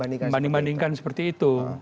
banyak yang membandingkan seperti itu